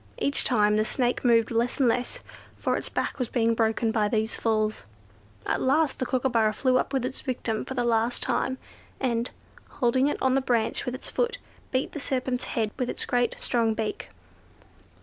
Each time the Snake moved less and less, for its back was being broken by these falls. At last the Kookooburra flew up with its victim for the last time, and, holding it on the branch with its foot, beat the serpent's head with its great strong beak.